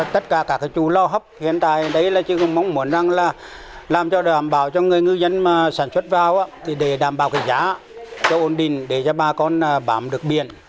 tất cả các chủ lo hấp hiện tại chỉ mong muốn làm cho đảm bảo cho người ngư dân sản xuất vào để đảm bảo giá cho ổn định để cho bà con bám được biển